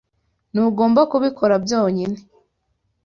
Ntugomba kubikora byonyine